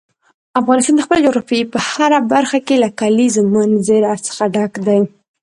افغانستان د خپلې جغرافیې په هره برخه کې له کلیزو منظره څخه ډک دی.